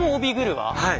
はい。